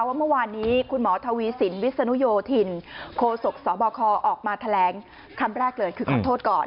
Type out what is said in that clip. ว่าเมื่อวานนี้คุณหมอทวีสินวิศนุโยธินโคศกสบคออกมาแถลงคำแรกเลยคือขอโทษก่อน